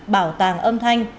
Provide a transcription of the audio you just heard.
bảo tàng âm thanh